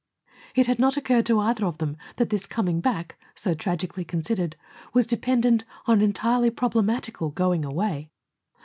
It had not occurred to either of them that this coming back, so tragically considered, was dependent on an entirely problematical going away.